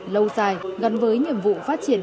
lâu dài gắn với nhiệm vụ phát triển